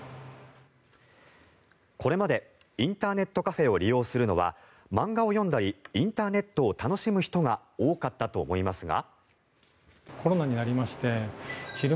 これまでインターネットカフェを利用するのは漫画を読んだりインターネットを楽しむ人が多かったと思いますが。